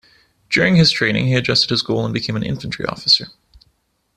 During his training he adjusted his goal and became an infantry officer.